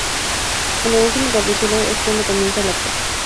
En el último capítulo es cuando comienza la acción.